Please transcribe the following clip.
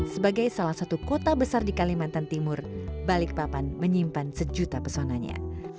sebagai salah satu kota besar di kalimantan timur balikpapan menyimpan sejuta pesonanya